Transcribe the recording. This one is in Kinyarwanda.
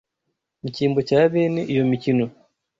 Mu cyimbo cya bene iyo mikino